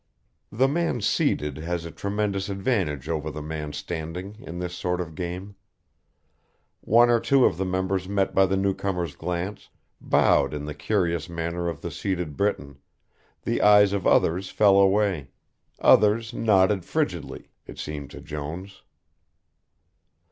The man seated has a tremendous advantage over the man standing in this sort of game. One or two of the members met by the newcomer's glance, bowed in the curious manner of the seated Briton, the eyes of others fell away, others nodded frigidly, it seemed to Jones.